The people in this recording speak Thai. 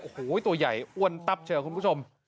โอ้โหตัวใหญ่อ้วนตับเชียวคุณผู้ชม